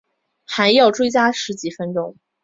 还要还要追加十几分钟